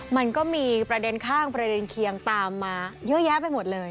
มันก็มีประเด็นข้างประเด็นเคียงตามมาเยอะแยะไปหมดเลย